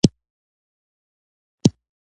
زما د واده په مشاعره کښې يې ما ته